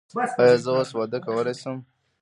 ایا زه اوس واده کولی شم؟